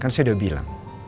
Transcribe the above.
kan saya udah bilang